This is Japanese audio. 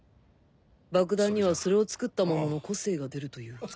爆弾にはそれを作った者の個性が出るという